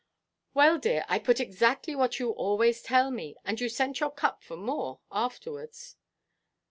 "Well, dear, I put exactly what you always tell me. And you sent your cup for more afterwards."